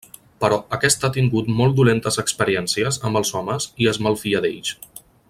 Però aquesta ha tingut molt dolentes experiències amb els homes i es malfia d'ells.